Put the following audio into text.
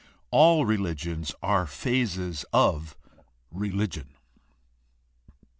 All religions are phases of religion.